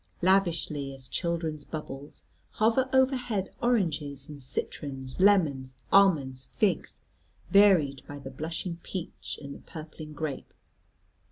Lavishly, as children's bubbles, hover overhead oranges, and citrons, lemons, almonds, figs, varied by the blushing peach and the purpling grape.